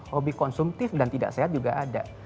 hobi konsumtif dan tidak sehat juga ada